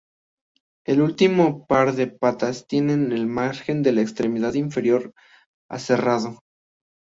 El último par de patas tienen el margen de la extremidad inferior aserrado.